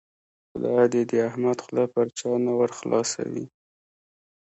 خدای دې د احمد خوله پر چا نه ور خلاصوي.